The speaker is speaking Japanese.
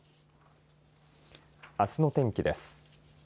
あすの天気です。